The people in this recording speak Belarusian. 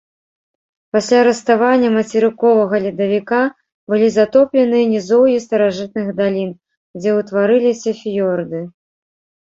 Пасля раставання мацерыковага ледавіка былі затопленыя нізоўі старажытных далін, дзе ўтварыліся фіёрды.